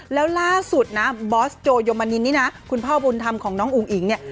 แล้วล่าสุดนะบอสโจยมนินนี่นะคุณพ่อบุญธรรมของน้องอุ๋งอิ๋งเนี่ย